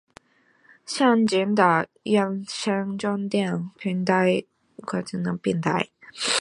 先进的原生纯电平台奥特能电动车平台